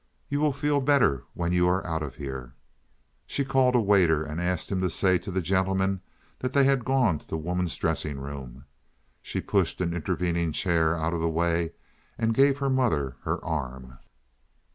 You will feel better when you are out of here." She called a waiter and asked him to say to the gentlemen that they had gone to the women's dressing room. She pushed an intervening chair out of the way and gave her mother her arm.